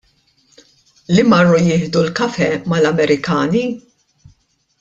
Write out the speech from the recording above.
Li marru jieħdu l-kafè mal-Amerikani?!